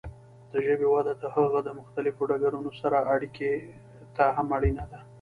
د ژبې وده د هغه د مختلفو ډګرونو سره اړیکې ته هم اړینه ده.